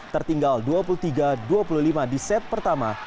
tertinggal dua puluh tiga dua puluh lima di set pertama